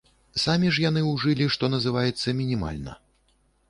Самі ж яны ўжылі, што называецца, мінімальна.